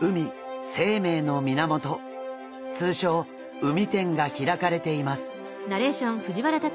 通称海展が開かれています。